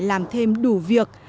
làm thêm đủ việc